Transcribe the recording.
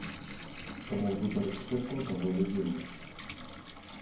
Таму выбар экспертаў даволі дзіўны.